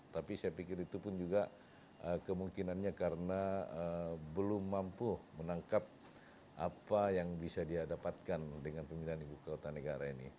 tapi saya pikir itu pun juga kemungkinannya karena belum mampu menangkap apa yang bisa dia dapatkan dengan pemindahan ibu kota negara ini